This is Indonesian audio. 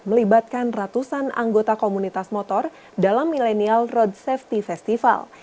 melibatkan ratusan anggota komunitas motor dalam millennial road safety festival